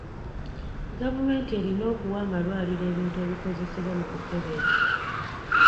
Gavumenti erina okuwa amalwaliro ebintu ebikozesebwa mu kukebera.